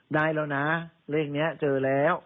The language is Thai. ได้แล้วนะเลขนี้เจอแล้ว